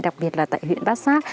đặc biệt là tại huyện bát sát